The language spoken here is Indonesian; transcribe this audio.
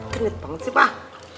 kenit banget sih pak